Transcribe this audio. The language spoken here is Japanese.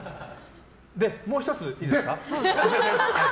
で、もう１つ、いいですか。